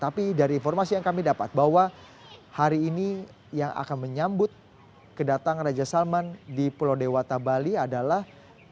tapi dari informasi yang kami dapat bahwa hari ini yang akan menyambut kedatangan raja salman di pulau dewata bali adalah